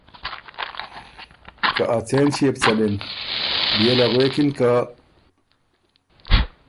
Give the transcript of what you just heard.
که ا څېن ݭيې بو څلِن۔ بيې له غوېکِن که